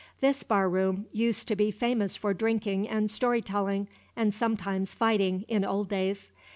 This bar room used to be famous for drinking and storytelling, and sometimes fighting, in old times.